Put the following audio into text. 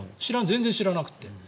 全然知らなくて。